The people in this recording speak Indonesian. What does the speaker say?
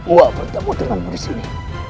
uwamu bertemu denganmu disini